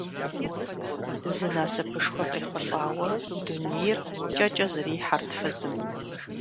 Зы насыпышхуэ къехъулӀауэ дунейр кӀэкӀэ зэрихьэрт фызым.